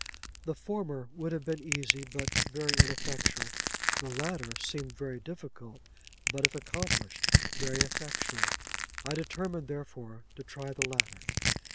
The former would have been easy, but very ineffectual; the latter seemed very difficult, but, if accomplished, very effectual. I determined therefore to try the latter.